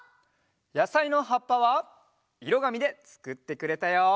やさいのはっぱはいろがみでつくってくれたよ。